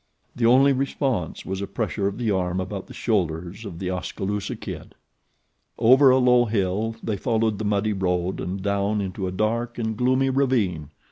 The only response was a pressure of the arm about the shoulders of The Oskaloosa Kid. Over a low hill they followed the muddy road and down into a dark and gloomy ravine.